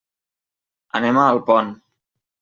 Anem a Alpont.